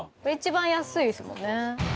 一番安いですもんね。